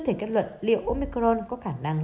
thể kết luận liệu omicron có khả năng